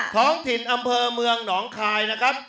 ท้องถิ่นอำเภอเมืองหนองคายนะครับ